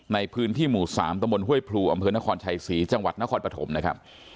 ในพื้นที่หมู่๓ตะมนต้วยพลูอำเภอนครชัยศรีจังหวัดนครปฐมนะครับ